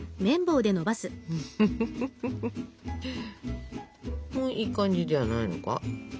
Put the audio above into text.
もういい感じじゃないのか？